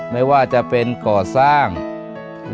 ไม่ครวดใจขี้แสภีร์